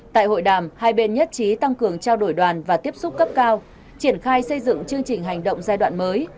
tại hội đàm hai bên nhất trí tăng cường trao đổi đoàn và tiếp xúc cấp cao triển khai xây dựng chương trình hành động giai đoạn mới